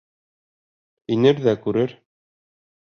Инер ҙә күрер.